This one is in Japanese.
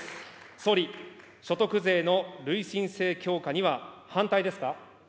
総理、所得税の累進性強化には反対ですか。